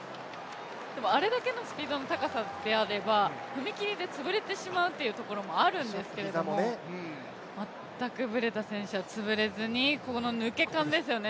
あれだけのスピードの高さであれば、踏切で潰れてしまうというところもあるんですけど、全くブレタ選手は潰れずに、この抜け感ですよね。